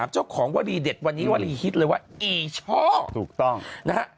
เจ้าของวรีเด็ดวันนี้วรีฮิตเลยว่าอีช่อถูกต้องนะฮะ